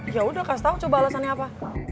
yaudah kasih tau coba alasannya apa